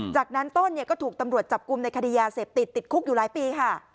จากนั้นต้นก็ถูกตำรวจจับกลุ่มในคดียาเสพติดติดคุกอยู่หลายปีค่ะ